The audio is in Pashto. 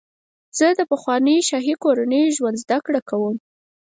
زه د پخوانیو شاهي کورنیو ژوند زدهکړه کوم.